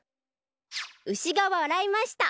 うしがわらいました。